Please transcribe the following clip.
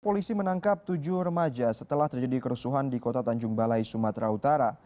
polisi menangkap tujuh remaja setelah terjadi kerusuhan di kota tanjung balai sumatera utara